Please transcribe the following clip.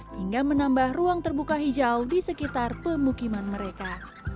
hingga menambah ruang terbuka hijau di sekitar pemukiman mereka